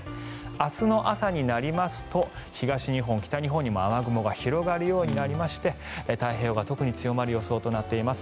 明日の朝になりますと東日本、北日本にも雨雲が広がるようになって太平洋側特に強まる予想となっています。